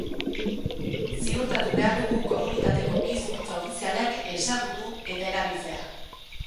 Ziurtatu behar dugu komunitateko bi hizkuntza ofizialak ezagutu eta erabiltzea.